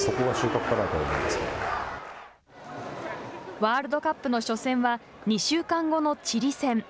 ワールドカップの初戦は２週間後のチリ戦。